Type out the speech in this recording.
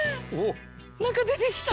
何か出てきた。